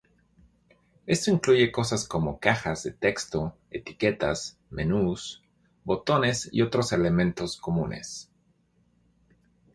Esto incluye cosas como cajas de texto, etiquetas, menús, botones y otros elementos comunes.